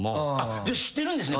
じゃあ知ってるんですね